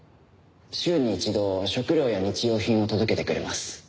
週に一度食料や日用品を届けてくれます。